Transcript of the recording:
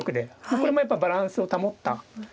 これもやっぱバランスを保った形ですよね。